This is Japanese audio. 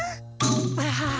ああ！